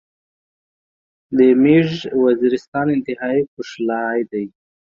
دې ميژ وزيرستان انتهایی کوشلاي داي